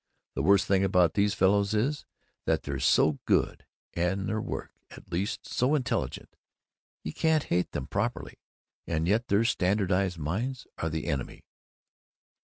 The worst thing about these fellows is that they're so good and, in their work at least, so intelligent. You can't hate them properly, and yet their standardized minds are the enemy.